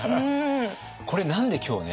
これ何で今日ね